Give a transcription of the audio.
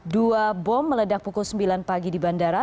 dua bom meledak pukul sembilan pagi di bandara